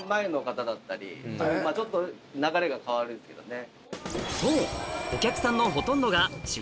ちょっと流れが変わるっていうかね。